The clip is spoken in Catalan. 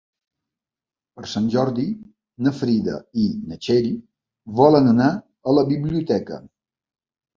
Per Sant Jordi na Frida i na Txell volen anar a la biblioteca.